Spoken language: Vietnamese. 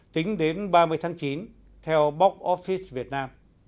tính đến ba mươi tháng chín theo box office việt nam